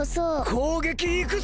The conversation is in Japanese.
こうげきいくぞ！